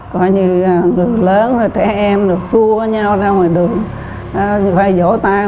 coi như người lớn rồi trẻ em rồi xua nhau ra ngoài đường phải vỗ tay